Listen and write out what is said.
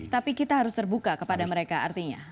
tapi kita harus terbuka kepada mereka artinya